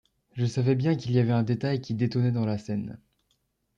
Je savais bien qu’il y avait un détail qui détonnait dans la scène.